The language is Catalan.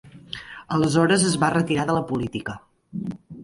Aleshores es va retirar de la política.